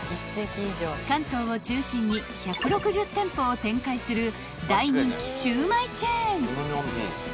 ［関東を中心に１６０店舗を展開する大人気シウマイチェーン］